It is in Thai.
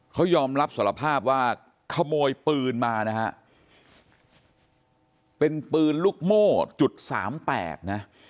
เขายอมรับสารภาพว่าขโมยปืนมานะฮะเป็นปืนลูกโม่จุดสามแปดนะ